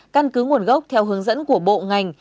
căn cứ nguồn gốc theo hướng dẫn của bộ ngành